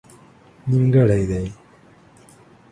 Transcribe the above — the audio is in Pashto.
نيمګړئ دي